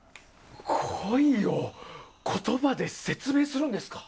恋を言葉で説明するんですか。